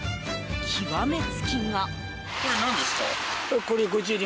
極めつきが。